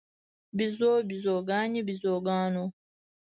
بیزو، بیزوګانې، بیزوګانو